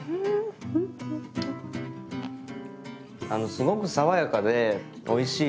すごく爽やかでおいしいです。